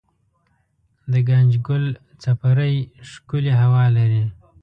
دګنجګل څپری ښکلې هوا لري